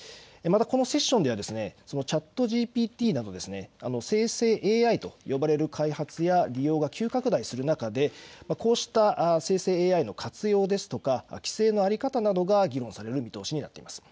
このセッションではＣｈａｔＧＰＴなど生成ＡＩと呼ばれる開発や利用が急拡大する中でこうした生成ＡＩの活用ですとか規制の在り方などが議論される見通しになっています。